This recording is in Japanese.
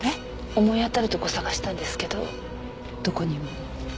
思い当たるとこ捜したんですけどどこにも。